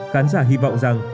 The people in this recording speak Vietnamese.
khán giả hy vọng rằng